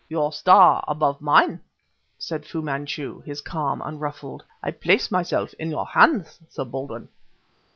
"Your star above mine," said Fu Manchu, his calm unruffled. "I place myself in your hands, Sir Baldwin."